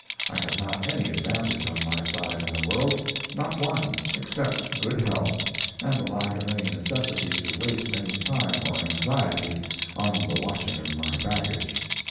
I had not any advantage on my side in the world—not one, except good health and the lack of any necessity to waste any time or anxiety on the watching of my baggage.